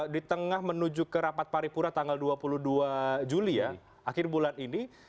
di tengah menuju ke rapat paripura tanggal dua puluh dua juli ya akhir bulan ini